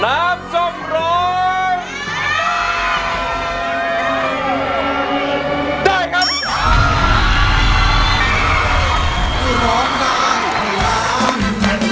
น้ำส้มร้องได้